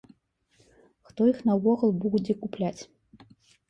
Хто іх наогул будзе купляць?